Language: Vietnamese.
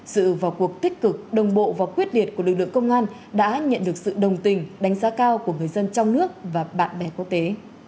sự vào cuộc tích cực đồng bộ và quyết liệt của lực lượng công an đã nhận được sự đồng tình đánh giá cao của người dân trong nước và bạn bè quốc tế